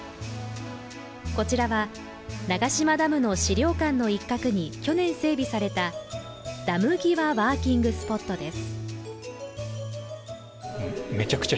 こちらは長島ダムの資料館の一角に去年整備されたダム際ワーキングスポットです。